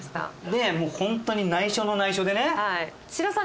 でもうホントに内緒の内緒でね。